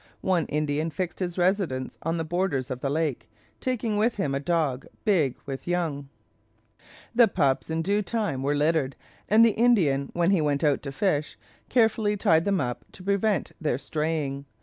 One Indian fixed his residence on the borders of the lake, taking with him a dog big with young. The pups in due time were littered, and the Indian, when he went out to fish, carefully tied them up to prevent their straying.